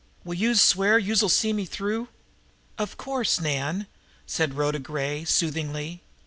Will youse swear youse'll see me through?" "Of course, Nan," said Rhoda Gray soothingly.